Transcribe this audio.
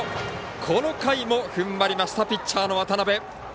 この回もふんばりましたピッチャーの渡邊。